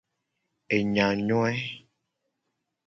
Enyanyoe.